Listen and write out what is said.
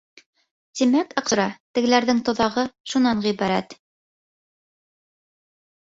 Тимәк, Аҡсура, тегеләрҙең тоҙағы шунан ғибәрәт.